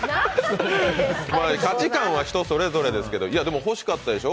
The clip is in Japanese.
価値観は人それぞれですけど、欲しかったでしょ？